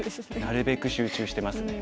なるべく集中してますね。